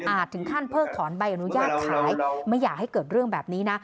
ถึงขั้นเพิกถอนใบอนุญาตขายไม่อยากให้เกิดเรื่องแบบนี้นะ